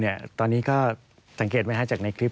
สวัสดีค่ะที่จอมฝันครับ